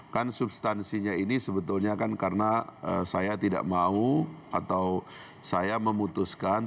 kan substansinya ini sebetulnya kan karena saya tidak mau atau saya memutuskan